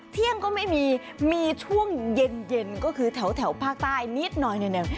เที่ยงก็ไม่มีมีช่วงเย็นเย็นก็คือแถวแถวภาคใต้นิดหน่อยหน่อย